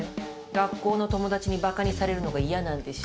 学校の友達にばかにされるのが嫌なんでしょ？